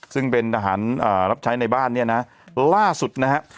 ซึ่งเป็นทหารรับใช้ในบ้านเนี่ยนะล่าสุดนะฮะ